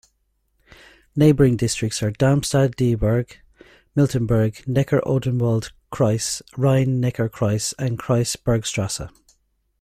Neighboring districts are Darmstadt-Dieburg, Miltenberg, Neckar-Odenwald-Kreis, Rhein-Neckar-Kreis and Kreis Bergstraße.